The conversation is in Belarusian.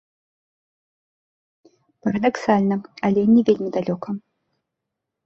Парадаксальна, але не вельмі далёка.